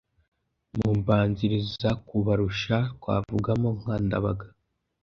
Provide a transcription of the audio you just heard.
Mu mbanzirizakubarusha twavugamo nka Ndabaga